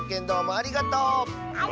ありがとう！